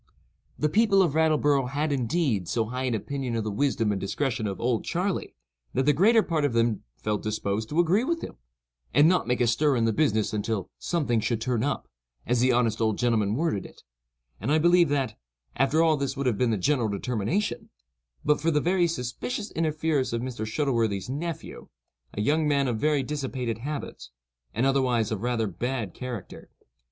The people of Rattleborough had, indeed, so high an opinion of the wisdom and discretion of "Old Charley," that the greater part of them felt disposed to agree with him, and not make a stir in the business "until something should turn up," as the honest old gentleman worded it; and I believe that, after all this would have been the general determination, but for the very suspicious interference of Mr. Shuttleworthy's nephew, a young man of very dissipated habits, and otherwise of rather bad character.